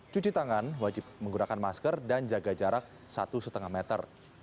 cuci tangan wajib menggunakan masker dan jaga jarak satu lima meter